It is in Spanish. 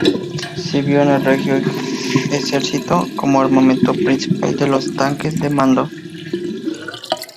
Sirvió en el Regio Esercito como armamento principal de los tanques de mando.